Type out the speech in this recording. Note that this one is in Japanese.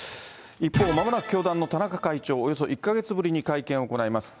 一方、まもなく教団の田中会長、およそ１か月ぶりに会見を行います。